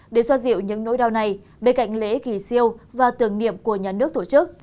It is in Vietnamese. để xoa dịu những nỗi đau này bên cạnh lễ kỳ siêu và tưởng niệm của nhà nước tổ chức